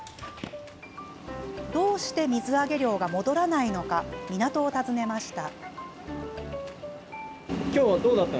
どうして水揚げ量が戻らないのか港を訪ねました。